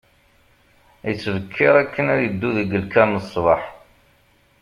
Yettbekkir akken ad iddu deg lkar n sbeḥ.